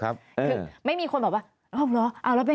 แต่ได้ยินจากคนอื่นแต่ได้ยินจากคนอื่น